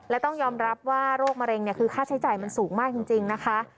และต้องยอมรับว่าโรคมะเร็งคือค่าใช้จ่ายมันสูงมากจริงนะคะ